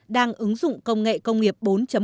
đang ứng dụng công nghệ công nghiệp bốn